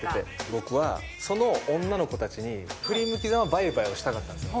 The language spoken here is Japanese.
僕はその女の子たちに振り向きざま、バイバイをしたかったんですよ。